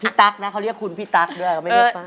ตั๊กนะเขาเรียกคุณพี่ตั๊กด้วยเขาไม่เรียกป้า